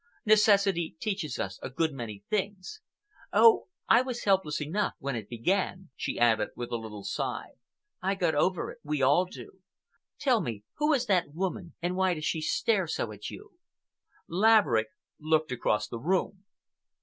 Necessity teaches us a good many things. Oh, I was helpless enough when it began!" she added, with a little sigh. "I got over it. We all do. Tell me—who is that woman, and why does she stare so at you?" Laverick looked across the room.